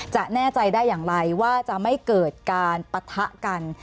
แน่ใจได้อย่างไรว่าจะไม่เกิดการปะทะกัน